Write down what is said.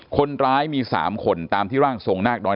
คนร้ายมี๓คนตามที่ร่างทรงนาคน้อย